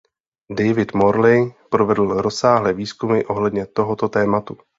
David Morley provedl rozsáhlé výzkumy ohledně tohoto tématu.